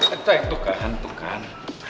eh itu kahan kahan